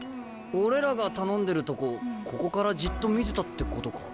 俺らが頼んでるとこここからじっと見てたってことか？